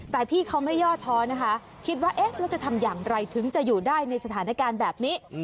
แต่พี่เขาไม่ย่อท้อนะคะคิดว่าเอ๊ะแล้วจะทำอย่างไรถึงจะอยู่ได้ในสถานการณ์แบบนี้